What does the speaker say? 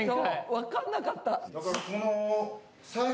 分かんなかった。